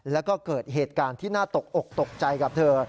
แล้วก็เกิดเหตุการณ์ที่น่าตกอกตกใจกับเธอ